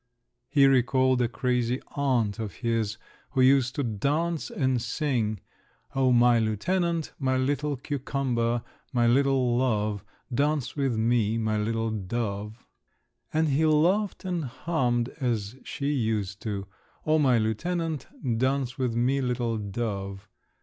He recalled a crazy aunt of his who used to dance and sing: "O my lieutenant! My little cucumber! My little love! Dance with me, my little dove!" And he laughed and hummed as she used to: "O my lieutenant! Dance with me, little dove!"